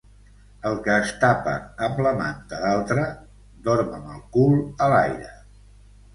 El que es tapa amb la manta d'altre, dorm amb el cul a l'aire.